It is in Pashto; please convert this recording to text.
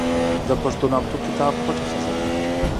د پښتو نامتو کتاب پټه خزانه